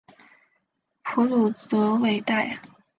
普卢泽韦代。